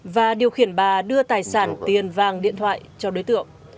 và điều khiển bà đưa tài sản tiền vàng điện thoại cho đối tượng